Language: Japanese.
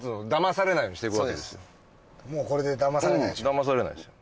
もうこれでだまされないでしょ？